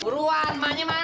buruan mahannya mane